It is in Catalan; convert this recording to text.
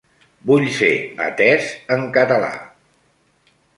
Vull ser atés en català.